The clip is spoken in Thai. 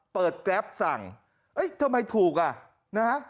เปิดแกรปสั่งทำไมถูกอ่ะนะฮะ